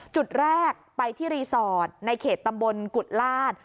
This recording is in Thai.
จุดแรกไปที่รีสอร์ทในเขตตำบลกุฎลาศ